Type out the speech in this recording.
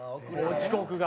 遅刻が？